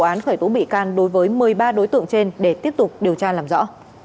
các đối tượng đã bị can đối với một mươi ba đối tượng trên để tiếp tục điều tra làm rõ